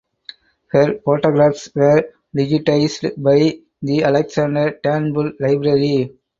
Her photographs were digitised by the Alexander Turnbull Library.